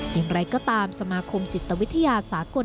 อย่างไรก็ตามสมาคมจิตวิทยาสากล